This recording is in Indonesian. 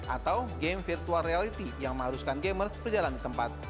atau game virtual reality yang mengharuskan gamers berjalan di tempat